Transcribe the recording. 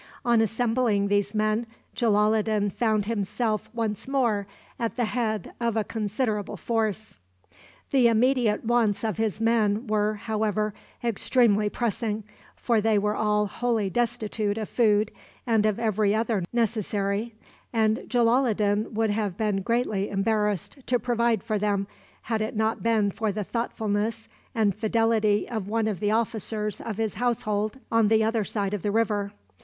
On assembling these men, Jalaloddin found himself once more at the head of a considerable force. The immediate wants of the men were, however, extremely pressing, for they were all wholly destitute of food and of every other necessary, and Jalaloddin would have been greatly embarrassed to provide for them had it not been for the thoughtfulness and fidelity of one of the officers of his household on the other side of the river.